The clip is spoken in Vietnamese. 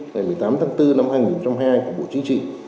ngày một mươi tám tháng bốn năm hai nghìn hai mươi hai của bộ chính trị